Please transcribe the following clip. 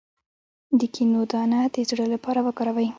د کینو دانه د زړه لپاره وکاروئ